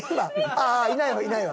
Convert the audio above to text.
ああいないわいないわ。